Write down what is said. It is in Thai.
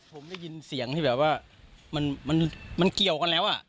ผมได้ยินเสียงที่แบบว่ามันเกี่ยวกันแล้วอ่ะ